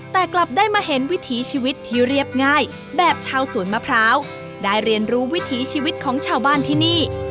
แต่กลับได้มาเห็นวิถีชีวิตที่เรียบง่ายแบบชาวสวนมะพร้าวได้เรียนรู้วิถีชีวิตของชาวบ้านที่นี่